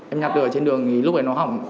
em nhặt được ở trên đường thì lúc này nó hỏng